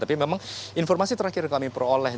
tapi memang informasi terakhir kami perolah